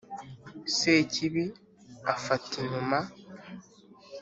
sekibi afata inyuma